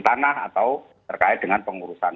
tanah atau terkait dengan pengurusan